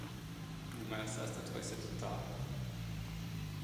nyuma ya saa sita twahise dutaha.